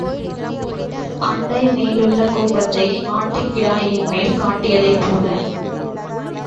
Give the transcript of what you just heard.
அண்டை மேலுள்ள கோபத்தை ஆட்டுக்கிடாயின் மேல் காட்டியதைப் போல.